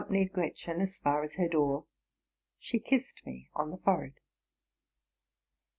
173 nied Gretchen as far as her door, she kissed me on the forehead.